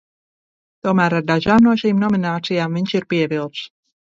Tomēr ar dažām no šīm nominācijām viņš ir pievilts.